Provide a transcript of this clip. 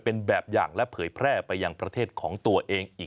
ตามแนวทางศาสตร์พระราชาของในหลวงราชการที่๙